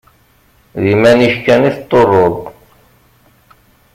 D iman-ik kan i tḍurreḍ.